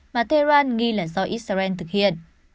mà tehran nghi là do israel thực hiện